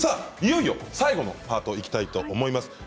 いよいよ最後のパートにいきたいと思います。